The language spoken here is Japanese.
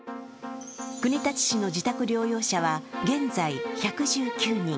国立市の自宅療養者は現在１１９人。